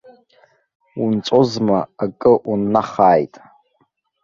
Унҵәозма акы уннахааит.